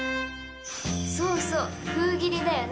そうそう「封切り」だよね。